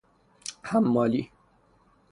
حمالی